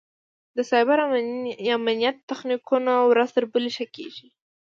د سایبري امنیت تخنیکونه ورځ تر بلې ښه کېږي.